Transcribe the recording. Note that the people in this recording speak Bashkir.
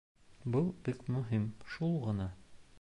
Был бик мөһим, шул ғына.